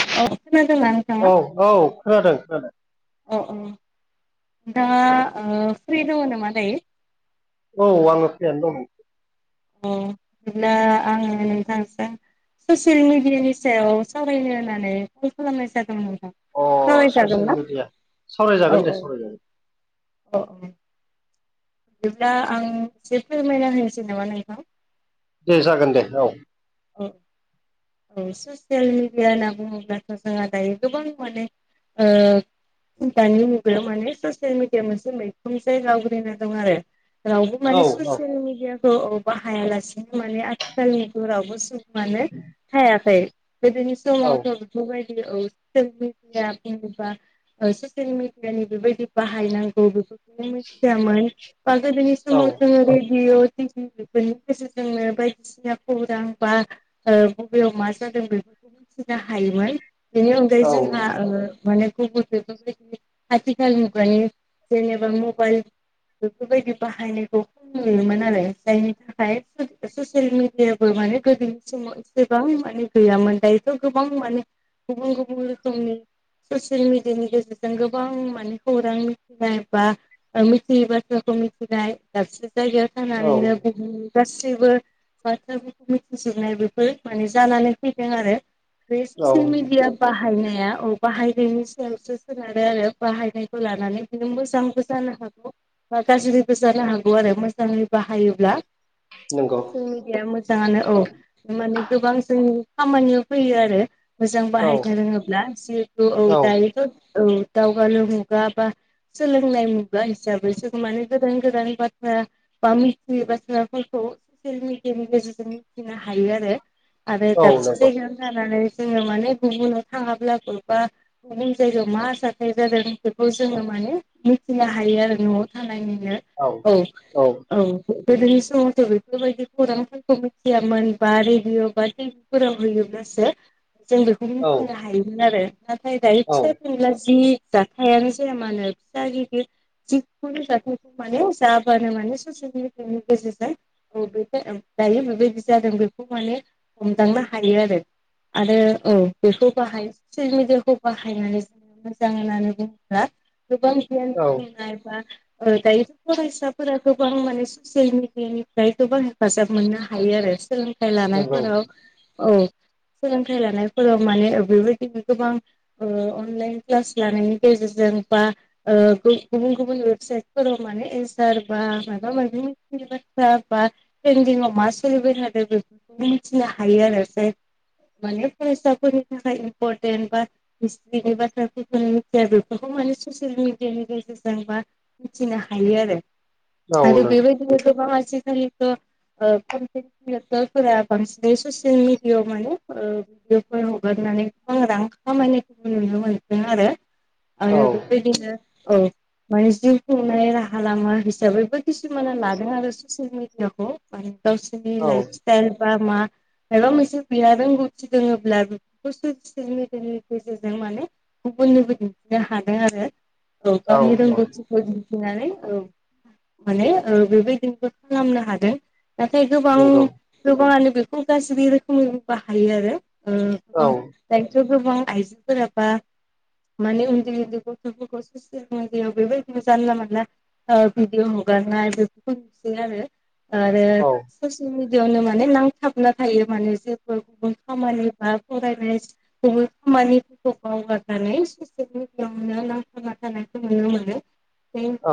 औ खोनादोंना? नोंथाङा औ औ खोनादों खोनादों अ अ नोंथाङा ओ फ्रि दङ नामा दायो? औ आङो फ्रियानो दङ। अ बिदिब्ला आङो नोंथांजों ससियेल मिडियानि सायाव सावरायनो होननानै कल खालामनाय जादों नोंथां। अ सावरायजागोन ससियेल ना मिडिया सावरायजागोन दे सावरायजागोन। अ बिदिब्ला आं एसे फोरमायना होनोसै नामा नोंथां? दे जागोन दे औ [inaudible] औ ससियेल मिडिया होनना बुङोब्लाथ' जोंहा दायो गोबां माने ओ दानि मुगायाव माने ससियेल मिडिया मोनसे मैखोम जायगा आवग्रिना दं आरो। रावबो औ माने औ ससियेल मिडियाखौ औ बाहायालासिनो माने आथिखालनिखौ रावबो सुबुं ङानो थायाखै गोदोनि औ समावथ' बेफोरबायदि औ [unintelligible] जेनेबा ससियेल मिडियानि बेबायदि बाहायनांगौ बेफोरखौनो मिथियामोन बा गोदोनि बे समाव जोङो रेडिअ' टिभिफोरनि गेजेरजोंनो बायदिसिना खौरां बा ओ बबेयाव मा जादों बेफोरखौ मिथिनो हायोमोन। बेनि अनगायै औ जोंहा ओ माने गुबुनै आथिखालनिफ्रायनो जेनेबा मबाइल बेफोरबायदि बाहायनायखौ नुयोमोन आरो जायनि थाखाय ससियेल मिडियाबो माने गोदोनि समाव एसेबां माने गैयामोन दायोथ' गोबां माने गुबुन गुबुन रोखोमनि ससियेल मिडियानि गेजेरजों गोबां माने खौरां मिथिनाय बा मिथियै बाथ्राखौ मिथिनाय दाबसे जायगायाव औ थानानैनो बुहुमनि गासैबो बाथ्राफोरखौ मिथिनो [unintelligible] बिजिनाय बेफोर माने जानानै फैदों आरो बे औ ससियेल मिडिया बाहायनाया औ बाहायनायनि सायावसो सोनारो आरो बाहायनायखौ लानानै मोजांबो जानो हागौ बा गाज्रिबो जानो हागौ आरो मोजाङै बाहायोब्ला नंगौ ससियेल मिडिया मोजाङानो औ माने गोबां जोंनि खामानियाव फैयो आरो। मोजां औ बाहायनो रोङोब्ला जिहेथु औ दायोथ' औ दावगालु मुगा बा सोलोंनाय मुगा हिसाबै जों माने गोदान गोदान बाथ्रा बा मिथियै बाथ्राफोरखौ ससियेल मिडियानि गेजेरजों मिथिनो हायो आरो आरो औ दाबसे नंगौ जायगायाव जानानै जोङो माने गुबुनाव थाङाब्लाबो बा बबे जायगायाव मा जाथाय जादों बेखौ जोङो माने मिथिनो हायो आरो न'आव थानानैनो। औ औ गोदोनि समावथ' बेफोरबायदि खौरांफोरखौ मिथियामोन बा रेडिअ' बा टिभिफोराव होयोब्लासो जों बे बेखौ औ मिथिनो हायोमोन आरो नाथाय दायो औ फिसा फिनला जि जाथायानो जाया मानो होनो फिसा गिदिर जिखुनु जाथाइखौ माने जाबानो माने ससियेल मिडियानि गेजेरजों औ बे दायो बेबायदि जादों बेखौ माने हमदांनो हायो आरो। आरो औ बेखौ बाहाय ससियेल मिडियाखौ बाहायनानै जों मोजां होननानै बुङोब्ला गोबां गियान नंगौ औ बुथुनाय बा ओ दायो फरायसाफोरा गोबां माने ससियेल मिेडियानिफ्राय गोबां हेफाजाब मोननो हा हायो आरो सोलोंथाइ नंगौ लानायफोराव औ सोलोंथाइ लानायफोराव माने बेबायदिनो गोबां ओ अनलाइन क्लास लानायनि गेजेरजों बा ओ गुबुन गुबुन वेबसाइटफोराव माने एन्सार बा माबा माबि मिथि बाथ्रा बा थ्रेन्दिंआव मा सोलिबाय थादों बेफोरखौ मिथिनो हायो आरो जा माने फरायसानि थाखाय इमपर्टेन्ट बा बिनि बाथ्राफोरखौ मिथिया बेफोरखौ माने ससियेल मिडियानि गेजेरजों बा मिथिनो हायो आरो आरो बेबायदिनो गोबां आथिखालिनिबो [unintelligible] फोरा बांसिनै ससियेल मिडियाआव माने भिडिअफोर हगारनानै गोबां रां खामानिखौबो नुनो मोनदों आरो औ आरो बे बिबायदिनो औ। माने जिउ खुंनाय राहा लामा हिसाबैबो खिसुमाना लादों आरो ससियेल मिडियाखौ माने गावसिनि औ लइफ सटाइल बा मा माबा मोनसे बिहा रोंगौथि दोङोब्ला बेफोरखौ ससियेल मिडियानि गेजेरजों माने गुबुननोबो दिन्थिनो हादों आरो औ गावनि रोंगौथिखौ दिन्थिनानै औ माने औ बेबायदिनोबो खालामनो हादों। नाथाय गोबां नंगौ गोबाङानो बेखौ गाज्रि रोखोमै बाहायो आरो ओम औ गोबां दायथ' गोबां आइजोफोराबा माने [unintelligible] बेबायदि जानला मोनला ओ भिदिअ हगारनाय बेफोरखौ नुसै आरो आरो। औ ससियेल मिेडियाआवनो माने नांथाबना थायो माने जेफोर गुबुन खामानि बा फरायनाय गुबुन खामानिफोरखौ बावगारनानै ससियेल मिडियाआवनो नांथाबना थानायखौ नुनो मोनो।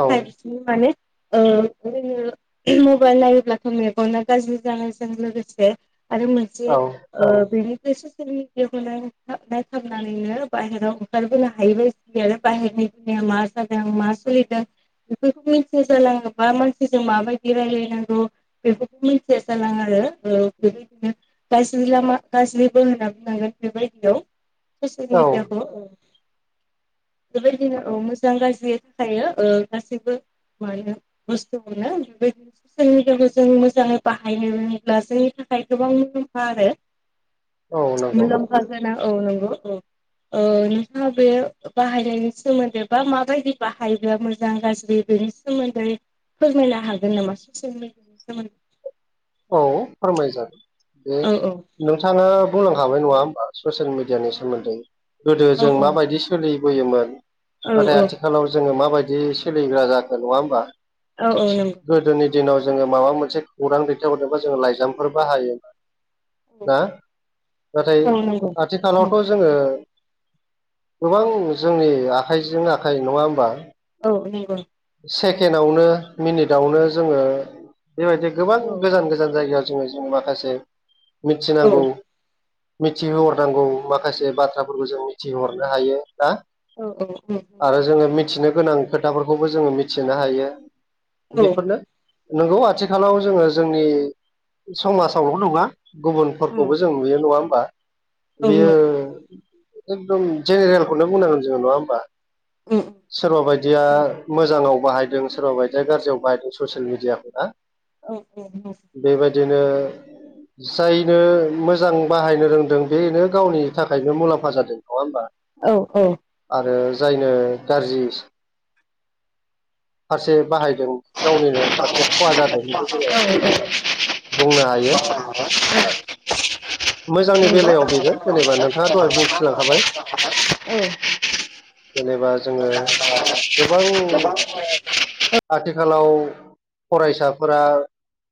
औ माने ओ जोङो मबाइल नायोब्ला। मेगना जानायजों लोगोसे आरो औ मोनसे ओ बेनि सोरनिखौनायनाय खाबनानैनो बाहेरायाव ओंखारबोनो हायैबाय सि आरो बाहेरनिया मा जादों मा सोलिदों बेफोरखौ मिथिया जालाङोबा मानसिजों माबायदि रायलायनांगौ। बेफोरखौ मिथिया जला आरो बेबायदिनो गाज्रि लामा गाज्रिबो होनना बुंनांगोन बेबायदियाव ससियेल मेडियाखौ बेबायदिनो ओ मोजां गाज्रि थाखाय ओ गासैबो मा बुस्थु बेदिनो मिडया जों मोजाङै बाहायनोब्ला जोंनि थाखाय गोबां मुलाम्फा आरो। नंगौ मुलाम्फागोनां औ नंगौ औ। ओ नोंथाङा बे बाहायनायनि सोमोन्दै बा माबायदि बाहायो मोजां गाज्रि बेनि सोमोन्दै फोरमायनो हागोन नामा ससियेल मिडियानि सोमोन्दै औ फोरमाय जागोन बेे औ औ नोंथाङा बुंलांखाबाय नङा ससियेल मिडियानि सोमोन्दै गोदो औ जों औ माबायदि सोलिबोयोमोन नाथाय औ आथिखालाव जोङो माबायदि सोलिग्रा जागोन नङा होमबा? औ औ नंगौ। गोदोनि दिनाव जोङो माबा मोनसे खौरां दैथायहरदोंबा जोङो लाइजामफोर बाहायोमोन। नाथाय औ नंगौ आथिखालावथ' जोङो गोबां जोंनि आखाइजों आखाइ नङा होमबा? औ नंगौ। सेकेणडआवनो मिनिटआवनो जोङो बेबायदि गोबां औ गोजान गोजान जायगायाव। जोङो ज माखासे औ मिथिनांगौ। मिथिहोहरनांगौ माखासे बाथ्राफोरखौ जों मिथिहोहरनो हायो ना। औ औ औ। आरो जोङो मिथिनो गोनां खोथाफोरखौबो जोङो मिथिनो हायो नंगौ बेफोरनो नंगौ आथिखालाव जोङो जोंनि समाजावल' नङा। औ गुबुनफोरखौबो जों नुयो नङा होमबा औ नंगौ बेयो। एकदम जेनेरेलखौनो बुंनांगोन जोङो नङा होमबा उम सोरबा बायदिया। उम मोजाङाव बाहायदों सोरबा बायदिया गाज्रियाव बाहायदों ससियेल मिडियाफोरा। औ औ औ। बेबायदिनो जायनो मोजां बाहायनो रोंदों बेनो गावनि थाखायनो मुलाम्फा जादों नङा होमबा। औ औ। आरो जायनो गाज्रि फारसे बाहायदों गावनिनो फारसे खहा जादों। बेखौ जोङो बुंनो हायो मोजांनि [unintelligible] बेलायाव बेनो जेनेबा नोंथाङा दहाय बुंथिलांखाबाय [unintelligible] जेनेबा जोङो गोबां [unintelligible] आथिखालाव फरायसाफोरा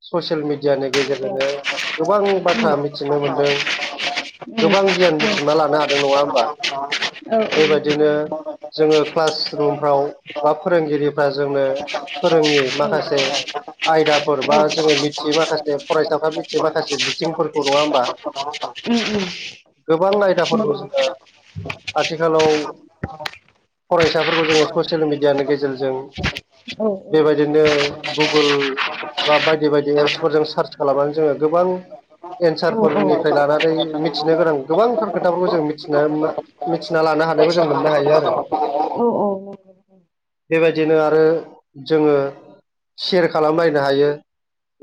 ससियेल मिडिया मिडिया नि औ गेजेरजोंनो औ गोबां उम बाथ्रा उम उम औ औ मिथिनो मोनदों। नंगौ गोबां गियान बुथुमना लानो हादों नङा होमबा। बेबायदिनो औ। जोङो क्लास रुमफ्राव बा फोरोंगिरि जोंनो फोरोङि माखासे आयदाफोर बा जोङो मिथियो माखासे फरायसाफ्रा जे माखासे बिथिंफोरखौ नङा होमबा। गोबां आयदाफोरखौ जोङो [unintelligible] आथिखालाव नंगौ। फरायसाफोरखौ औ नंगौ औ नंगौ औ नंगौ औ जोङो ससियेल मिडियानि गेजेरजों बेबायदिनो गुगोल बा बायदि बायदि एप्सफोरजों सार्च खालामनानै जोङो गोबां एन्सारफोरनिफ्राय लानानै मिथिनो गोनां गोबांथार खोथाफोरखौ जों मिथिनो मिथिना लानो हानायखौ जों मोननो हायो आरो। बेबायदिनो आरो जोङो सेयार खालामलायनो हायो।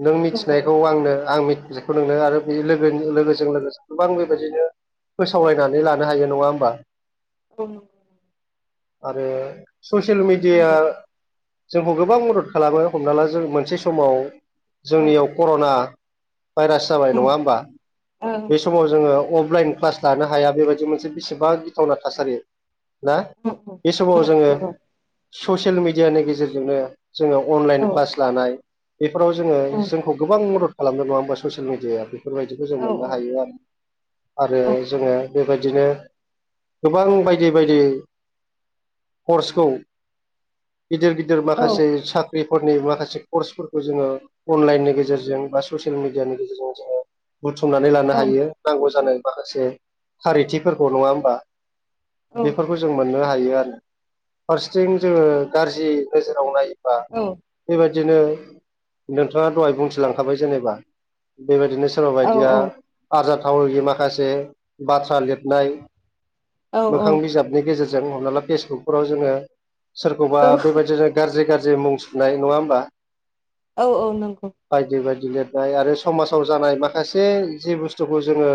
नों मिथिनायखौ आंनो आं मिथिनायखौ नोंनो आरो बै लोगो जों लोगो गोबां बेबायदिनो फोसावरायनानै लानो हायो नङा होमबा। औ। आरो ससियेल मिडिया जोंखौ गोबां मदद खालामो हमना ला जों मोनसे समाव जोंनियाव कर'ना भाइरास जाबाय नङा होमबा। बे समाव जोङो अफलाइन क्लास लानो हाया बेबायदि मोनसे बेसेबां गिथावना थासारि ना। बे [inaudible] समाव जोङो ससियेल मेडियानि गेजेरजोंनो जोङो अनलाइन क्लास लानाय बेफोराव जोङो जोंखौ गोबां मदद खालामदों नङा होमबा ससियेल मिडिया बेफोरबायदि जों मोननो हायो आरो। आरो जोङो बेबायदिनो गोबां बायदि बायदि कर्सखौ गिदिर गिदिर माखासे सा ख्रि फोरनि माखासे कर्सफोरखौ जोङो अनलाइननि गेजेरजों बा ससियेल मिडियानि गेजेरजों जोङो बुथुमनानै लानो हायो नांगौ जानाय माखासे फारथिफोरखौ नङा होमबा। बेफोरखौ जों मोननो हायो आरो। फारसेथिं जोङो गारजि नोजोराव नायोबा बेबायदिनो नोंथाङा दहाय बुंथिलांखाबाय जेनेबा बेबायदिनो सोरबा बायदिया आरजाथावै माखासे बाथ्रा लिरनाय मोखां बिजाबनि गेजेरजों हमना ला फेसबुकफोराव जोङो सोरखौबा बेबायदिनो गाज्रि गाज्रि मुं सुरनाय नङा होमबा। औ औ नंगौ। बायदि बायदि लिरनाय आरो समाजाव जानाय माखासे जे बुस्थुखौ जोङो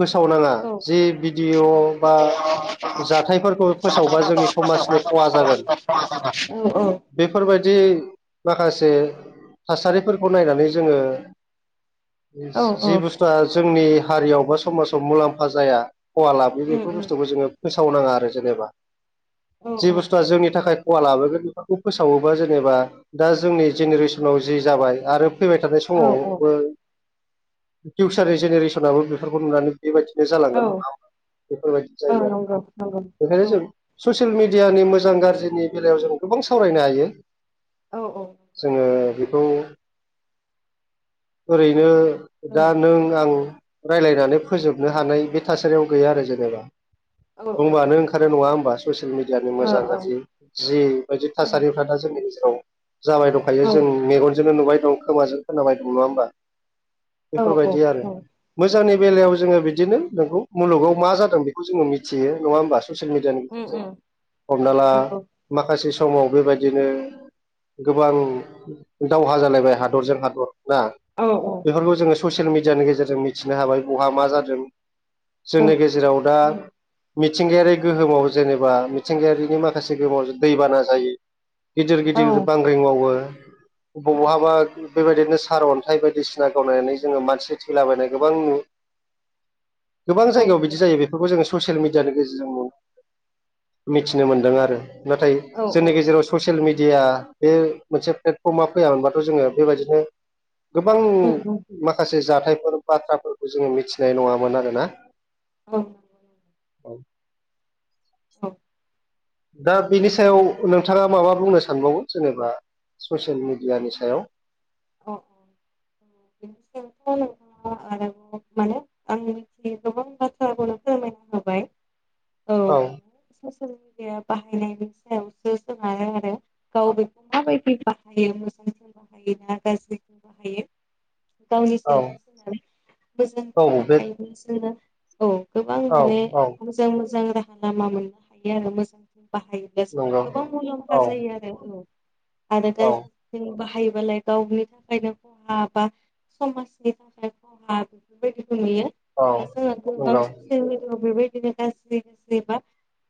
फोसावनाङा औ जे भिडिअ' बा जाथायफोरखौ जाथायफोरखौ फोसावबा जोंनि फोसावबा समाजनि जोङो खहा जागोन समाजबो खहा जागोन। बेफोरबायदि माखासे थासारिफोरखौ नायनानै जोङो औ औ जि बुस्थुआ जोंनि हारियाव बा समाजाव मुलाम्फा जाया खहा लाबो बेयो उम बेफोर उम बुस्थुखौ जोङो फोसावनाङा आरो जेनेबा। औ जि औ बुस्थुआ जोंनि थाखाय खहा लाबोगोन फोसावोबा जेनेबा दा जोंनि जेनेरेसनाव जि जाबाय आरो फैबाय थानाय स औ मावबो फिउसारनि जेनेरेसनाबो बेफोरखौ नुनानै बेबायदिनो औ जालांगोन नङा ओमबा बा बेफोरबायदि औ जायो आरो। नंगौ नंगौ बेखायनो औ जों ससियेल मिडियानि मोजां गाज्रिनि बेलायाव जों गोबां सावरायनो हायो। औ औ जोङो बेखौ ओरैनो औ दा नों आं रायलायनानै फोजोबनो हानाय बे थासारियाव गैया आरो जेनेबा। औ बुंबानो ओंखारो नङा ओमबा ससियेल मिडियानि मोजां गाज्रि। जि बायदि थासारिफोरा दा जोंनि गेजेराव जाबाय दंखायो जों मेगनजोंनो नुबाय दं खोमाजों खोनाबाय दं नङा ओमबा? औ औ बेफोरबायदि आरो मोजांनि बेलायाव जोङो बिदिनो नोंगौ मुलुगाव मा जादों बेखौ जोङो मिथियो नङा ओमबा? ससियेल मिडियानि उम गेजेरजों हमना ला नंगौ माखासे समाव बेबायदिनो गोबां दावहा जालायबाय हादरजों हादर ना? औ औ बेफोरखौ जोङो ससियेल मिडियानि गेजेरजों मिथिनो हाबाय बहा मा जादों? जोंनि गेजेराव दा उम मि थिंगायारि गोहोमाव जेनेबा मिथिंगायारिनि माखासे गोहोमाव दैबाना जायो। गिदिर औ गिदिर बांग्रिं मावो उम बहाबा बेबायदिनो सारअन्थाइ बायदिसि ना गावनानै जोङो मानसि थैलाबायनाय गोबां नु गोबां औ जायगायाव बिदि जायो बेफोरखौ जोंङो ससियेल मिडियानि गेजेरजों मो मिथिनो मोनदों आरो। नाथाय औ जोंनि गेजेराव ससियेल मिडिया बे मोनसे प्लेटफर्मा फैयामबाथ' जोङो बेबायदिनो गोबां उम उम मा खासे जाथायफोर बाथ्राफोरखौ जोङो मिथिनाय नङामोन आरोना। औ [inaudible] दा बेनि सायाव नोंथाङा माबा बुंनो सानबावो जेनेबा ससियेल मिडियानि सायाव? अ [unintelligible] मानो? आंनि गोबां बाथ्राखौ [unintelligible] औ माने ससियेल मिडिया बाहायनायनि सायावसो सो [unintelligible] हाया आरो गावबो माबायदि बाहायो मोजांथिं बाहायो ना गाज्रिथिं बाहायो गावनि औ सायावसो [unintelligible] औ बे बिसोरो खौ औ माने औ मोजां मोजां राहा लामा मोननो हायो आरो मोजाङै बाहायोबा। [unintelligible] दा जोंहा नंगौ गोबां मुलाम्फा औ जायो आरो औ आरो गा औ [unintelligible] जों बाहायोबालाय गावनि थाखायनो खहा बा समाजनि थाखाय खहा बेफोरबायदिबो नुयो औ दा जोङो गोबां नंगौ [unintelligible] [unintelligible] बेबायदिनो गाज्रि गाज्रि बा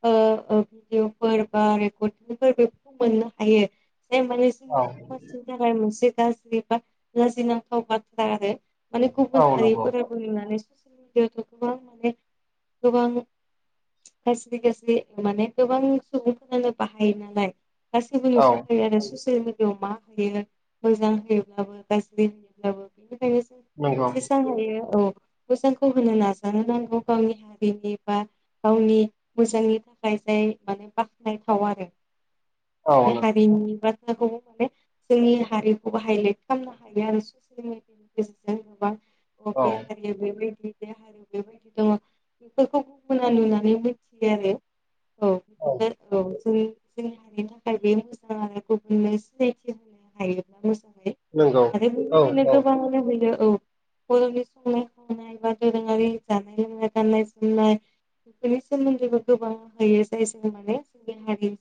ओ भिडअफोर बा रेकर्डंफोरबो खालामनो हायो जाय माने जोंनि औ समाजनि थाखाय मोनसे गाज्रि बा लाजिनांथाव बाथ्रा आरो माने गुबुन औ नंगौ हारिफोराबो नुनानै ससियेल मिडियावथ' गोबां माने गोबां [unintelligible] गाज्रि गाज्रि माने गोबां सुबुंफोरानो बाहायो नालाय गासैबो औ नुजोब खायो आरो ससियेल मि [unintelligible] मा बेयो मोजां होयोब्लाबो गाज्रि होयोब्लाबो बेनिखायनो नंगौ जेसां हायो औ मोजांखौ होनो नाजानो नांगौ गावनि हारिनि बा गावनि मोजांनि थाखाय जाय माने बाख्नायथाव आरो औ माने औ [unintelligible] बैनि बाथ्राखौ माने जोंनि हारिखौबो हाइलेट खालामनो हायो आरो [unintelligible] नि गेजेरजों गोबां बे हारिया बेबायदि बे हारि बेबायदि दङ बेफोरखौ गुबुना नुनानै मिथियो आरो औ बिदिनो औ जों जोंनि हारिनि थाखाय बे मोजां आरो गुबुननो सिनायथि होनो हायोब्ला मोजाङै नंगौ आरो औ बेबादिनो औ गोबां लुबैनो औ बर'नि संनाय खावनाय बा दोरोङारि जानाय लोंनाय गाननाय जोमनाय बेफोरनि सोमोनदोबो गोबां होयो जाय जों माने जोंनि हारि